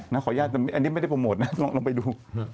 ขออนุญาตอันนี้ไม่ได้โปรโมทนะลองไปดู